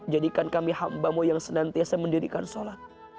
jadikan kami hambamu yang senantiasa mendirikan sholat